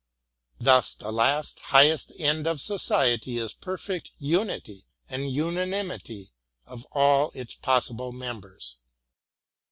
Thus the last, highest end of Society is perfect unity and unanimity of all its possible members.